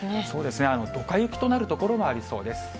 そうですね、どか雪となる所もありそうです。